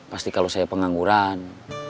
pasti kalau saya pengangguran